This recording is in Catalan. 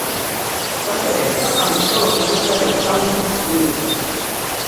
Va ser mestre en l'escola pública de Taungdwingyi.